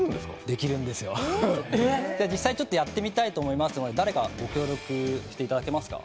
できるんですよ、実際にやってみたいと思いますので誰か御協力いただけますか？